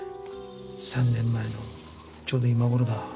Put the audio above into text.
３年前のちょうど今頃だ。